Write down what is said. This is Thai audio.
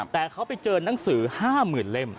แต่เขาไปเจอนังสือ๕๐๐๐เล่ม